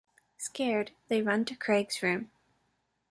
Scared, they run to Craig's room.